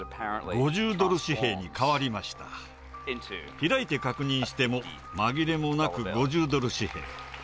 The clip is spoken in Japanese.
開いて確認しても紛れもなく５０ドル紙幣。